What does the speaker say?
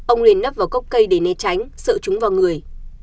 ông liền nắp vào cốc cây để né tránh sợ chúng vào người